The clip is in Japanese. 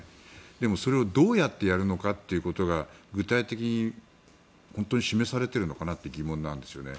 でもそれをどうやってやるのかということが具体的に本当に示されているのかなって疑問なんですよね。